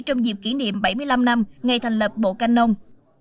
trong dịp kỷ niệm bảy mươi năm năm ngày thành lập bộ canh nông